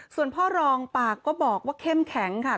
ส่วนพ่อรองปากก็บอกว่าเข้มแข็งค่ะ